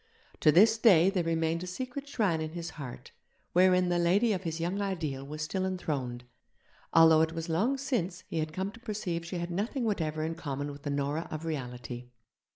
To this day there remained a secret shrine in his heart wherein the Lady of his young ideal was still enthroned, although it was long since he had come to perceive she had nothing whatever in common with the Nora of reality.